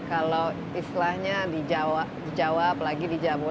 kalau istilahnya di jawa apalagi di jawa